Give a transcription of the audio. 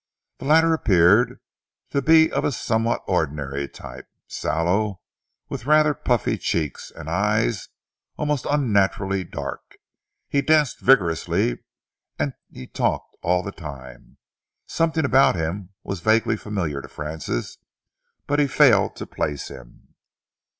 The latter appeared to be of a somewhat ordinary type, sallow, with rather puffy cheeks, and eyes almost unnaturally dark. He danced vigorously and he talked all the time. Something about him was vaguely familiar to Francis, but he failed to place him.